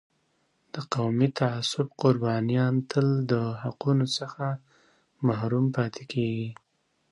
د قومي تعصب قربانیان تل د حقونو څخه محروم پاتې کېږي.